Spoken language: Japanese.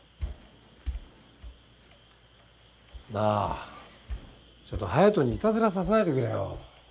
なあちょっと隼斗にいたずらさせないでくれよ。